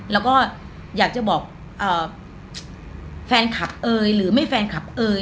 แล้วก็อยากจะบอกแฟนคลับเอยหรือไม่แฟนคลับเอ่ย